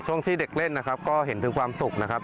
ที่เด็กเล่นนะครับก็เห็นถึงความสุขนะครับ